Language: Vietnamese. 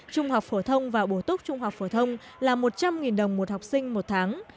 trung học phổ thông và bổ túc trung học phổ thông là một trăm linh đồng một học sinh một tháng